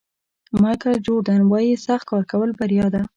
مایکل جوردن وایي سخت کار کول بریا ده.